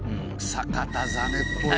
サカタザメっぽいね。